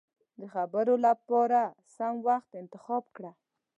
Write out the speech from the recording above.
د خبرو له پاره سم وخت انتخاب کړه.